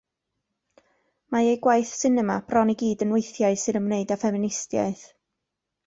Mae ei gwaith sinema bron i gyd yn weithiau sy'n ymwneud â ffeministiaeth.